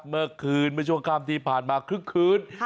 เมื่อคืนช่วงคามที่ผ่านมาครึ่งคืน